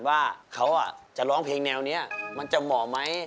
ว่าเขาจะร้องเพลงแนวนี้มันจะเหมาะไหม